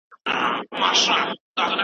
دا انسان تباه کولی شي.